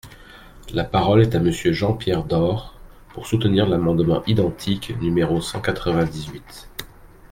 La parole est à Monsieur Jean-Pierre Door, pour soutenir l’amendement identique numéro cent quatre-vingt-dix-huit.